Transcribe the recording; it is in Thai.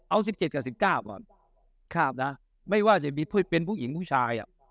เอาสิบเจ็ดกับสิบเก้าครับน่ะไม่ว่าจะเป็นผู้หญิงผู้ชายอะ